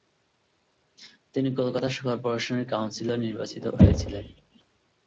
তিনি কলকাতা কর্পোরেশনের কাউন্সিলর নির্বাচিত হয়েছিলেন।